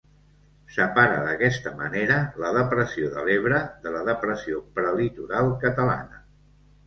Separa d'aquesta manera la Depressió de l'Ebre de la Depressió Prelitoral Catalana.